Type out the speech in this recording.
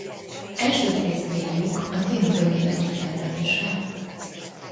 Elsődleges céljuk a szénhidrogének kitermelése.